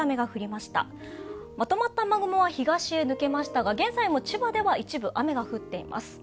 まとまった雨雲は東へ抜けましたが、現在も千葉では一部雨が降っています。